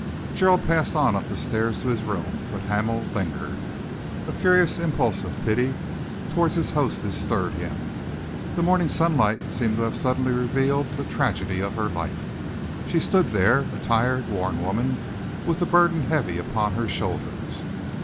Gerald passed on up the stairs to his room, but Hamel lingered. A curious impulse of pity towards his hostess stirred him. The morning sunlight seemed to have suddenly revealed the tragedy of her life. She stood there, a tired, worn woman, with the burden heavy upon her shoulders.